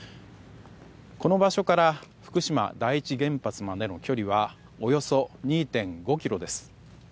この場所から福島第一原発までの距離はおよそ２．５ｋｍです。